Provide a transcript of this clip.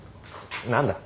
何だ？